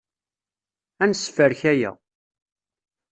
Ad nessefrek aya.